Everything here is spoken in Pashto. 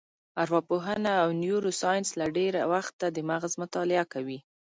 ارواپوهنه او نیورو ساینس له ډېره وخته د مغز مطالعه کوي.